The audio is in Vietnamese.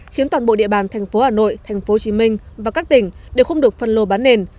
khiến toàn bộ địa bàn tp hcm và các tỉnh đều không được phân lô bán nền